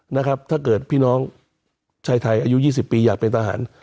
นะครับถ้าเกิดพี่น้องชายไทยอายุ๒๐ปีอยากเป็นทหาร